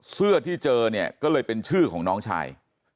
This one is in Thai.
เสื้อที่เจอเนี่ยก็เลยเป็นชื่อของน้องชาย